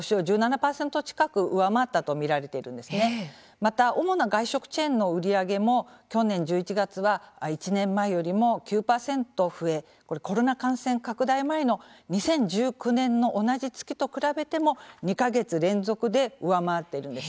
また主な外食チェーンの売り上げも去年１１月は１年前よりも９％増えこれコロナ感染拡大前の２０１９年の同じ月と比べても２か月連続で上回っているんです。